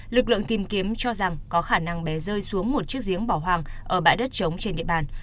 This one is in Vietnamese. lực lượng tìm kiếm cho rằng có khả năng bé rơi xuống một chiếc giếng bỏ hoang ở bãi đất trống trên địa bàn